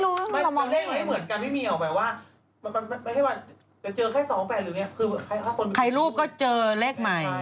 คือถ้าคนใครรูปก็เจอแรกใหม่